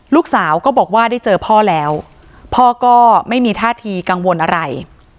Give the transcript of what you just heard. ลูกสาวก็บอกว่าได้เจอพ่อแล้วพ่อก็ไม่มีท่าทีกังวลอะไร